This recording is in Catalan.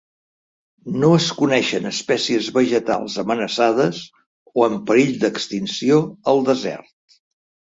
No es coneixen espècies vegetals amenaçades o en perill d'extinció al desert.